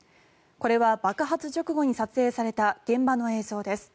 これは爆発直後に撮影された現場の映像です。